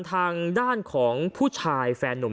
ทางด้านของผู้ชายแฟนนุ่ม